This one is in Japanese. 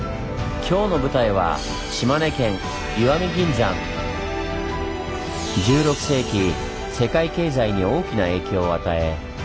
今日の舞台は１６世紀世界経済に大きな影響を与え